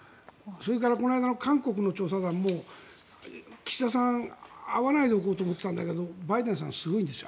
それからこの間の韓国の調査団も岸田さん会わないでおこうと思っていたんだけどバイデンさんがすごいんです。